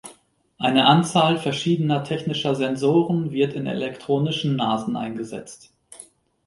Eine Anzahl verschiedener technischer Sensoren wird in Elektronischen Nasen eingesetzt.